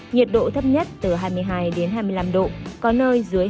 nhiệt độ thấp nhất từ hai mươi hai đến hai mươi năm độ có nơi dưới hai mươi một độ